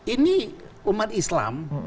ini umat islam